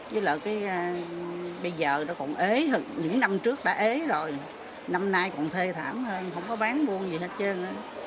chứ là cái bây giờ nó còn ế hơn những năm trước đã ế rồi năm nay còn thê thảm hơn không có bán mua gì hết trơn